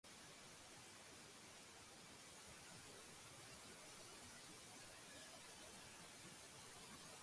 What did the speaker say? ივლისში დაიწყო ქვედა ეკვდერის კანკელზე მუშაობა.